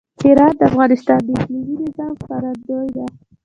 هرات د افغانستان د اقلیمي نظام ښکارندوی ده.